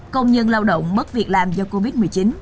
công nhân lao động mất việc làm do covid một mươi chín